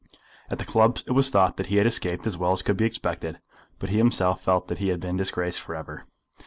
At the clubs it was thought that he had escaped as well as could be expected; but he himself felt that he had been disgraced for ever.